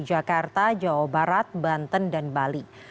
jakarta jawa barat banten dan bali